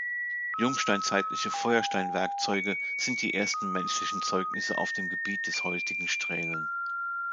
Jungsteinzeitliche Feuersteinwerkzeuge sind die ersten menschlichen Zeugnisse auf dem Gebiet des heutigen Straelen.